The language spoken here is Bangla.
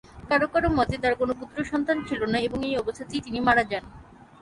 কারো কারো মতে তার কোনো পুত্র সন্তান ছিল না এবং এই অবস্থাতেই তিনি মারা যান।